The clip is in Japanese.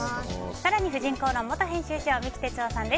更に「婦人公論」元編集長三木哲男さんです。